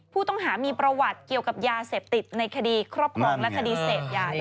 ผู้ต้องหามีประวัติเกี่ยวกับยาเสพติดในคดีครอบครองและคดีเสพยาด้วย